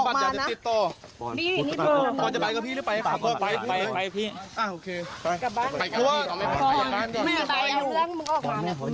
ผมเป็นคนออกมาทำเรื่องกว่าป้อนไหมมึง